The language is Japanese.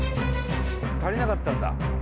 足りなかったんだ。